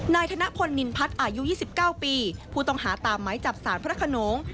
นายธนพลนินพัชอายุ๒๙ปีผู้ต้องหาตามไม้จับศาลพระขนง